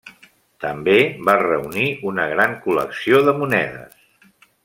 També va reunir una gran col·lecció de monedes.